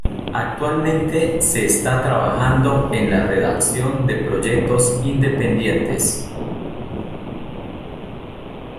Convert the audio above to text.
Actualmente se está trabajando en la redacción de proyectos independientes.